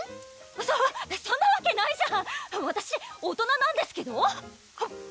そそんなわけないじゃんわたし大人なんですけど？